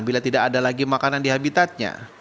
bila tidak ada lagi makanan di habitatnya